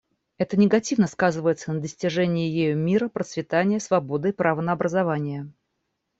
Это негативно сказывается на достижении ею мира, процветания, свободы и права на образование.